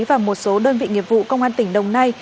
và một số đơn vị nghiệp vụ công an tỉnh đồng nai